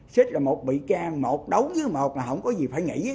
sít là một bị can một đấu với một là không có gì phải nghĩ